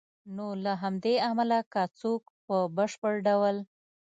نو له همدې امله که څوک په بشپړ ډول